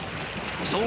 そう